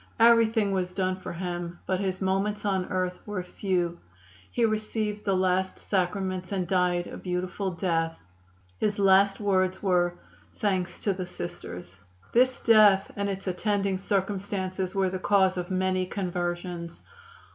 Everything was done for him, but his moments on earth were few. He received the last sacraments and died a beautiful death. His last words were: 'Thanks to the Sisters.' This death and its attending circumstances were the cause of many conversions.